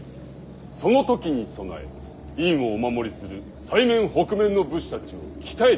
その時に備え院をお守りする西面北面の武士たちを鍛えておきたいのですが。